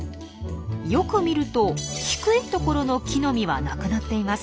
よく見ると低いところの木の実はなくなっています。